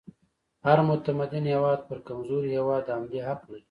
هر متمدن هیواد پر کمزوري هیواد د حملې حق لري.